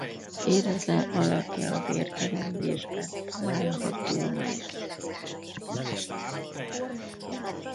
Éretlen alakja a vérkeringésben található meg.